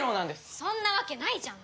そんなわけないじゃん！